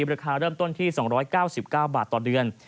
ราคาเริ่มต้นที่๒๙๙บาทต่อเดือน